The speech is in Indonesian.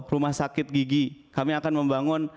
rumah sakit gigi kami akan membangun